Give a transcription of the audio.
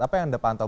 apa yang anda pantau